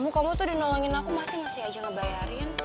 kamu tuh udah nolongin aku masih aja ngebayarin